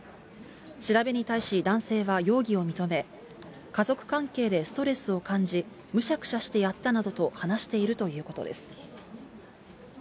調べに対し男性は容疑を認め、家族関係でストレスを感じ、むしゃくしゃしてやったなどと話しているということです。